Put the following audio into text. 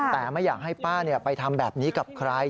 แต่ไม่อยากให้ป้าไปทำแบบนี้กับใคร